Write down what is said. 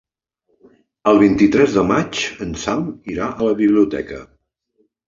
El vint-i-tres de maig en Sam irà a la biblioteca.